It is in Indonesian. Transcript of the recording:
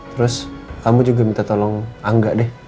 terus kamu juga minta tolong angga deh